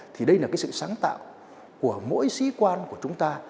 thì đây là cái sự sáng tạo của mỗi sĩ quan của chúng ta